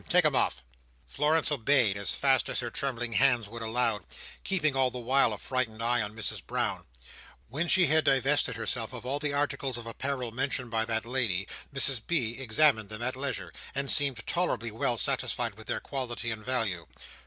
Take 'em off." Florence obeyed, as fast as her trembling hands would allow; keeping, all the while, a frightened eye on Mrs Brown. When she had divested herself of all the articles of apparel mentioned by that lady, Mrs B. examined them at leisure, and seemed tolerably well satisfied with their quality and value.